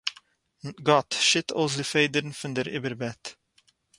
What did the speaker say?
גאָט שיט אויס די פֿעדערן פֿון דער איבערבעט.